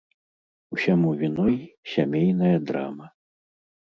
Усяму віной сямейная драма.